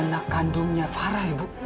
anak kandungnya farah ibu